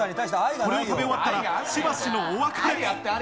これを食べ終わったら、しばしのお別れ。